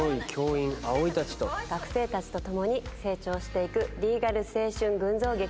学生たちと共に成長していくリーガル青春群像劇です。